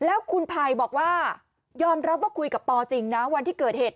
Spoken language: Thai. แล้วคุณภัยบอกว่ายอมรับว่าคุยกับปอจริงนะวันที่เกิดเหตุ